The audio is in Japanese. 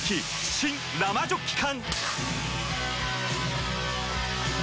新・生ジョッキ缶！